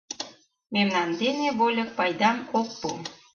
Мемнан дене вольык пайдам ок пу.